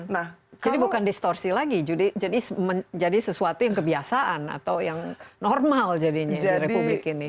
jadi bukan distorsi lagi jadi sesuatu yang kebiasaan atau yang normal jadinya di republik ini